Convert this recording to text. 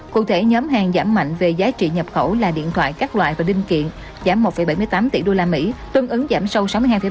cụ thể nhóm hàng giảm mạnh về giá trị nhập khẩu là điện thoại các loại và linh kiện giảm một bảy mươi tám tỷ usd tương ứng giảm sâu sáu mươi hai năm